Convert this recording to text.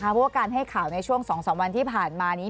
เพราะว่าการให้ข่าวในช่วง๒๓วันที่ผ่านมานี้